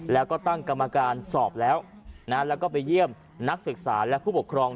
แล้วก็ตั้งกรรมการสอบแล้วแล้วก็ไปเยี่ยมนักศึกษาและผู้ปกครอง